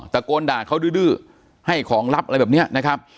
ตะโกนด่าเขาดื้อให้ของลับอะไรแบบนี้นะครับ